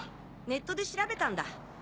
ネットで調べたんだ。